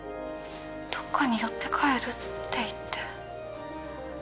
どっかに寄って帰るって言って。